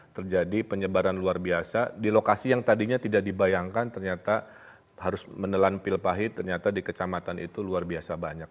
terjadi penyebaran luar biasa di lokasi yang tadinya tidak dibayangkan ternyata harus menelan pil pahit ternyata di kecamatan itu luar biasa banyak